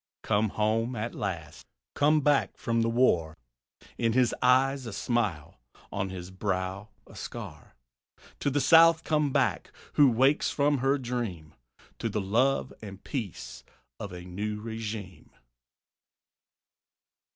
Come home at last; come back from the war; In his eyes a smile, on his brow a scar; To the South come back who wakes from her dream To the love and peace of a new regime.